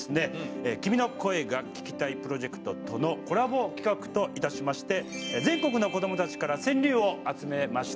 「君の声が聴きたい」プロジェクトとのコラボ企画といたしまして全国の子どもたちから川柳を集めました。